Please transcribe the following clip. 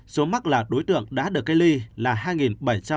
số mắc là đối tượng đã được gây ly là hai bảy trăm năm mươi ca